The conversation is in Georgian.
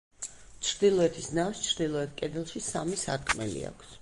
ჩრდილოეთის ნავს ჩრდილოეთ კედელში სამი სარკმელი აქვს.